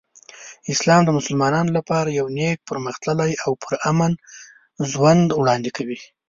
اسلام د مسلمانانو لپاره یو نیک، پرمختللی او پرامن ژوند وړاندې کوي.